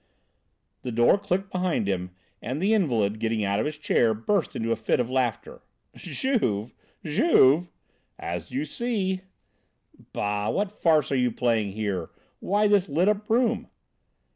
The door clicked behind him and the invalid, getting out of his chair, burst into a fit of laughter. "Juve! Juve!" "As you see!" "Bah, what farce are you playing here? Why this lit up room?"